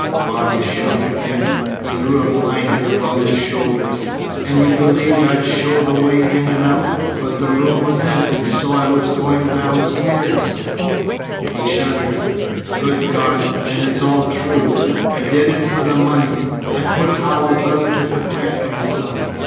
Bobby shook again. He drew a blanket about his shoulders. "And you believed I'd show the way in and out, but the room was empty, so I was going downstairs " He shuddered. "Good God! Then it's all true. I did it for the money. I put Howells out to protect myself.